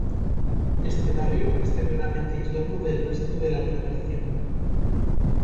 Este barrio está claramente aislado del resto de la aglomeración.